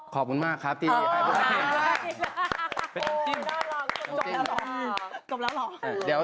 ขอบคุณมากครับทีมีไทรรังทีม